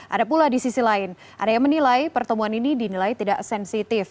ada pula di sisi lain ada yang menilai pertemuan ini dinilai tidak sensitif